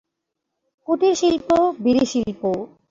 কুটিরশিল্প বিড়িশিল্প।